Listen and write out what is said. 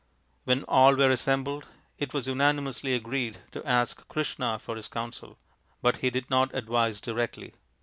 When all were assembled, it was unanimously agreed to ask Krishna for his counsel. But he did not advise directly.